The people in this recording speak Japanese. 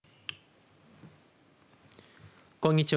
こんにちは。